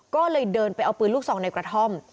ก็เลยเดินไปเอาปืนลูกซองในกระท่อม